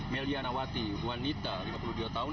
melianawati wanita lima puluh dua tahun